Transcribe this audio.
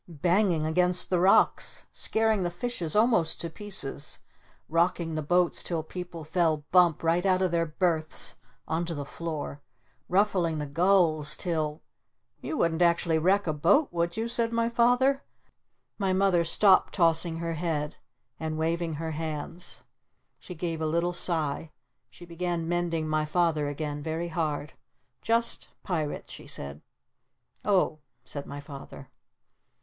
Banging against the rocks! Scaring the fishes almost to pieces! Rocking the boats till people fell Bump right out of their berths onto the floor! Ruffling the gulls till " "You wouldn't actually wreck a boat would you?" said my Father. My Mother stopped tossing her head. And waving her hands. She gave a little sigh. She began mending my Father again very hard. "Just pirates," she said. "O h," said my Father.